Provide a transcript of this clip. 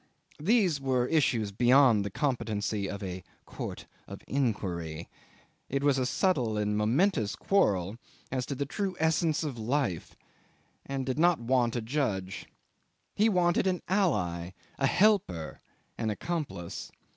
These were issues beyond the competency of a court of inquiry: it was a subtle and momentous quarrel as to the true essence of life, and did not want a judge. He wanted an ally, a helper, an accomplice.